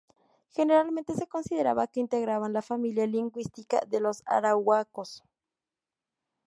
Generalmente se considera que integraban la familia lingüística de los arahuacos.